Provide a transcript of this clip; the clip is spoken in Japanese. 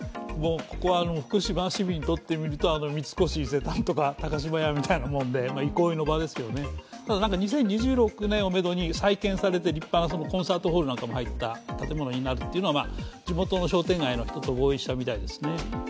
ここは福島市民にとっては三越伊勢丹や高島屋みたいなもので憩いの場ですよね、ただ、２０２６年をめどに再建されて立派なコンサートホールなんかも入った建物になるって地元の商店街の人と合意したみたいですね。